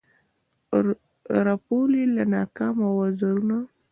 رپول یې له ناکامه وزرونه